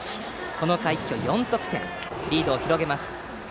この回一挙４得点リードを広げます。